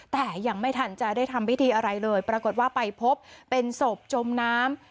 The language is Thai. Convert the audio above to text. แต่ยังไม่ทันจะได้ทำพิธีอะไรเลยปรากฏว่าไปพบเป็นศพจมน้ำ